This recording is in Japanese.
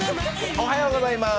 おはようございます。